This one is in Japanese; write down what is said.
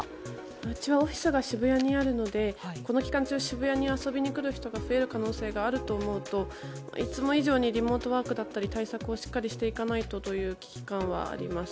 うちはオフィスが渋谷にあるのでこの期間中渋谷に遊びに来る人が増える可能性があると思うといつも以上にリモートワークだったり対策をしっかりしていかないとという危機感はあります。